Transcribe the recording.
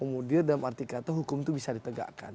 kemudian dalam arti kata hukum itu bisa ditegakkan